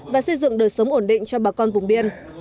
và xây dựng đời sống ổn định cho bà con vùng biên